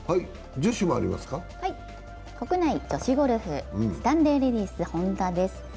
国内女子ゴルフ、スタンレーレディスホンダです。